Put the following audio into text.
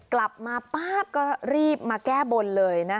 กลับมาป๊าบก็รีบมาแก้บนเลยนะคะ